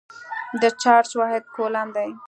د چارج واحد کولم دی.